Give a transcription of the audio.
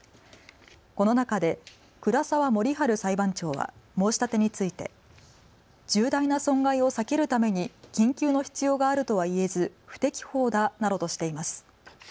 この中で倉澤守春裁判長は申し立てについて重大な損害を避けるために緊急の必要があるとは言えず不適法だなどとしています。